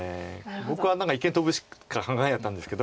僕は一間トブしか考えなかったんですけど。